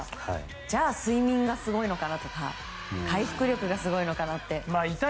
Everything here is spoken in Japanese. じゃあ睡眠がすごいのかなとか回復力がすごいのかなとか。